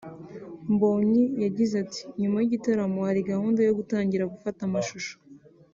Mbonyi yagize ati “ Nyuma y’igitaramo hari gahunda yo gutangira gufata amashusho